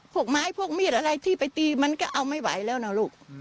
พวกไม้พวกมีดอะไรที่ไปตีมันก็เอาไม่ไหวแล้วนะลูก